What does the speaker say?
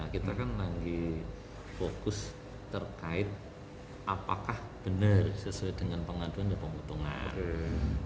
kita kan lagi fokus terkait apakah benar sesuai dengan pengaduan dan pemotongan